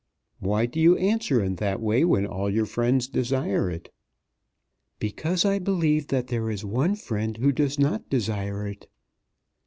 "Why do you answer in that way when all your friends desire it?" "Because I believe that there is one friend who does not desire it.